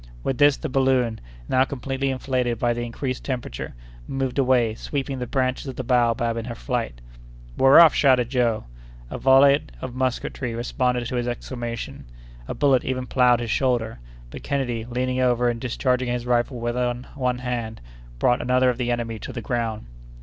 With this the balloon, now completely inflated by the increased temperature, moved away, sweeping the branches of the baobab in her flight. "We're off!" shouted Joe. A volley of musketry responded to his exclamation. A bullet even ploughed his shoulder; but Kennedy, leaning over, and discharging his rifle with one hand, brought another of the enemy to the ground.